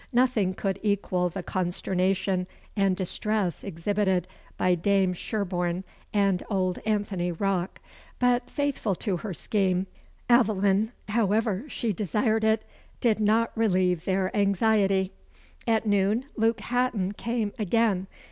Nothing could equal the consternation and distress exhibited by Dame Sherborne and old Anthony Rocke; but, faithful to her scheme, Aveline (however she desired it) did not relieve their anxiety. At noon, Luke Hatton came again.